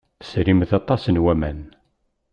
Tesrimt aṭas n waman.